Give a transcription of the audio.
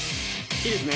いいですね？